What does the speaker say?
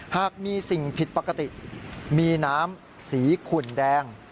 หากมีสิ่งผิดปกติมีน้ำสีขุ่นแดง